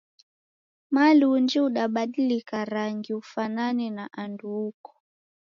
Malunji udabadilika rangu ufwanane na andu uko